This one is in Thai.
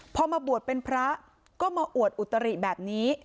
พอมาบวชเป็นพระก็มาอวดอุตริแบบนี้